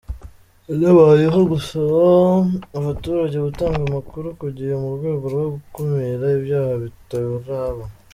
Yanaboneyeho gusaba abaturage gutanga amakuru ku gihe mu rwego rwo gukumira ibyaha bitaraba.